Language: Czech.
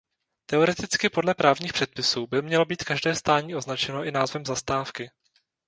Teoreticky podle právních předpisů by mělo být každé stání označeno i názvem zastávky.